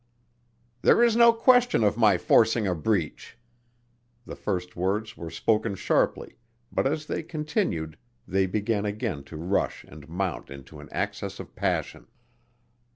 "There is no question of my forcing a breach." The first words wore spoken sharply, but as they continued they began again to rush and mount into an access of passion.